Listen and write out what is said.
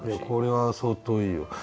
これは相当いいよ。